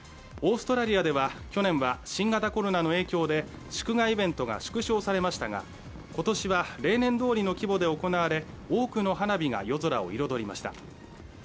オーストラリアでは、去年は新型コロナの影響で祝賀イベントが縮小されましたが今年は例年通りの規模で行われ、多くの花火が夜空を彩りました。